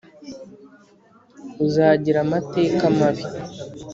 uzagira amateka mabi